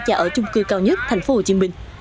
và ở chung cư cao nhất thành phố hồ chí minh